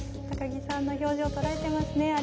高木の表情とらえていますね。